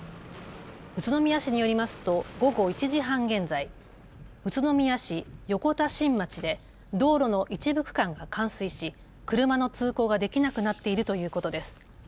宇都宮市によりますと午後１時半現在、宇都宮市横田新町で道路の一部区間が冠水し車の通行ができなくなっているということです。